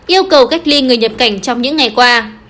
yêu cầu cách ly người nhập cảnh trong những ngày qua